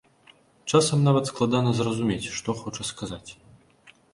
Часам нават складана зразумець, што хоча сказаць.